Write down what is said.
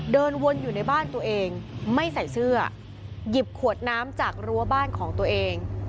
เดินวนอยู่ในบ้านตัวเองไม่ใส่เสื้อหยิบขวดน้ำจากรั้วบ้านของตัวเอง